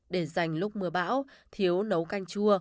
để dành lúc mưa bão thiếu nấu canh chua